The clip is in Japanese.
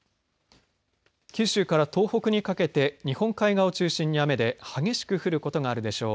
九州から東北にかけて日本海側を中心に雨で激しく降る所があるでしょう。